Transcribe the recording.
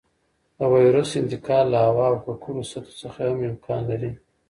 د وېروس انتقال له هوا او ککړو سطحو څخه هم امکان لري.